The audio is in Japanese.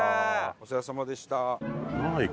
お世話さまでした。